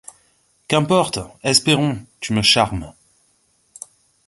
Qu'importe ! Espérons ! tu me charmes